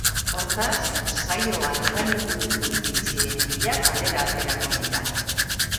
Hortaz, saioan horren inguruko iritzien bila kalera aterako dira.